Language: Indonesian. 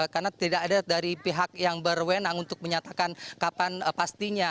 karena tidak ada dari pihak yang berwenang untuk menyatakan kapan pastinya